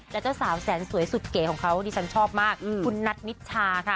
และเจ้าสาวแสนสวยสุดเก๋ของเขาดิฉันชอบมากคุณนัทนิชชาค่ะ